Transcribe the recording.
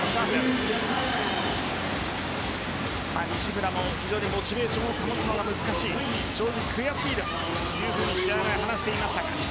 西村も非常にモチベーションを保つのは難しい正直悔しいですと試合前、話していましたが。